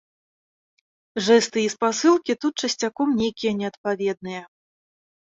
Жэсты і спасылкі тут часцяком нейкія неадпаведныя.